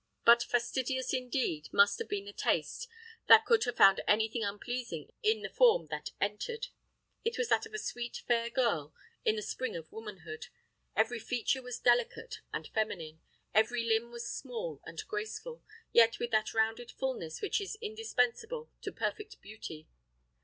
But fastidious, indeed, must have been the taste that could have found anything unpleasing in the form that entered. It was that of a sweet, fair girl, in the spring of womanhood: every feature was delicate and feminine, every limb was small and graceful: yet with that rounded fulness which is indispensable to perfect beauty.